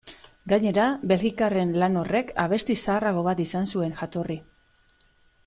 Gainera, belgikarren lan horrek abesti zaharrago bat izan zuen jatorri.